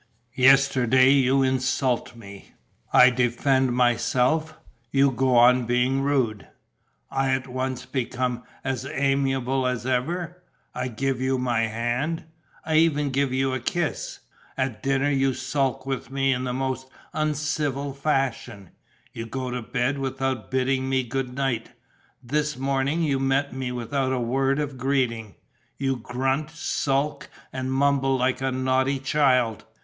Yesterday you insult me. I defend myself, you go on being rude, I at once become as amiable as ever, I give you my hand, I even give you a kiss. At dinner you sulk with me in the most uncivil fashion. You go to bed without bidding me good night. This morning you meet me without a word of greeting. You grunt, sulk and mumble like a naughty child.